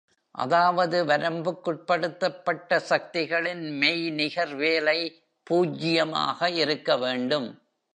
அதாவது, வரம்புக்குட்படுத்தப்பட்ட சக்திகளின் மெய்நிகர் வேலை பூஜ்யமாக இருக்க வேண்டும்.